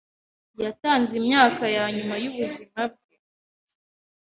Yatanze imyaka yanyuma yubuzima bwe.